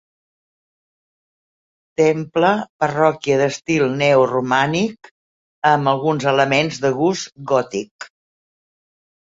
Temple parròquia d'estil neoromànic amb alguns elements de gust gòtic.